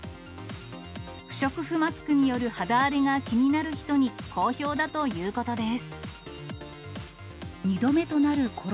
不織布マスクによる肌荒れが気になる人に好評だということです。